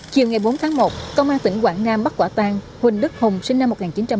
chiều ngày bốn tháng một công an tỉnh quảng nam bắc quả tăng huỳnh đức hùng sinh năm một nghìn chín trăm bảy mươi tám